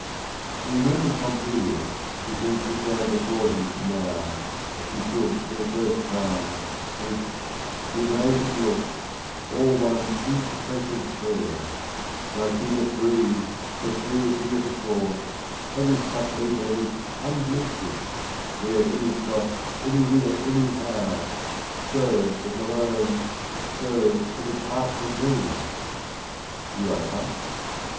He remembers Pompilia who seems to stand before him now as she stood for the first time with f'The amazed look, all one insuppressive prayer, — Might she but breathe, set free as heretofore, Have this cup leave her lips unblistered, bear Any cross anywhither anyhow, So but alone, so but apart from me ! You are touched?